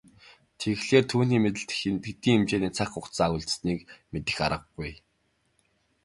Тэгэхлээр түүний мэдэлд хэдий хэмжээний цаг хугацаа үлдсэнийг мэдэх аргагүй.